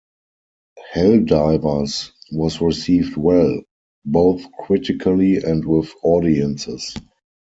"Hell Divers" was received well both critically and with audiences.